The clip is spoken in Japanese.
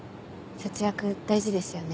節約大事ですよね。